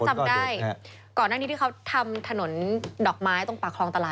ก่อนด้านนี้ที่เขาทำถนนดอกไม้ต้องปากคลองตลาด